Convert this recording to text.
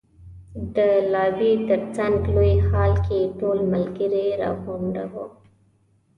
د لابي تر څنګ لوی هال کې ټول ملګري را غونډ وو.